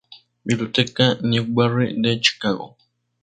Biblioteca Newberry de Chicago.